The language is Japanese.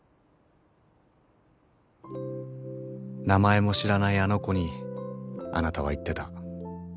名前も知らないあの子にあなたは言ってた。